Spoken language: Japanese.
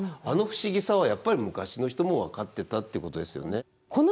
あの不思議さはやっぱり昔の人も分かってたってことですよね。